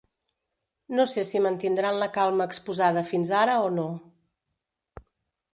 No sé si mantindran la calma exposada fins ara o no.